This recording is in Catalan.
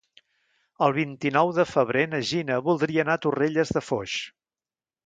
El vint-i-nou de febrer na Gina voldria anar a Torrelles de Foix.